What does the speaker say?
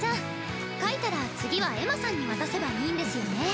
書いたら次はエマさんに渡せばいいんですよね。